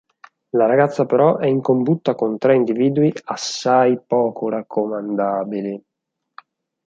La ragazza però è in combutta con tre individui assai poco raccomandabili.